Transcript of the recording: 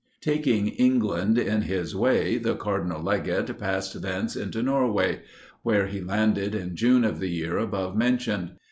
Taking England in his way, the Cardinal legate passed thence into Norway; where he landed in June of the year above mentioned.